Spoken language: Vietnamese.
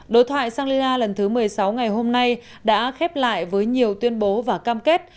đối thoại sang lila lần thứ một mươi sáu ngày hôm nay đã khép lại với nhiều tuyên bố và cam kết